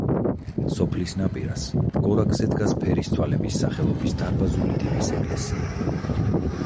სოფლის ნაპირას, გორაკზე დგას ფერისცვალების სახელობის დარბაზული ტიპის ეკლესია.